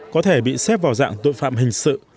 có thể bị xếp vào dạng tội phạm hình sự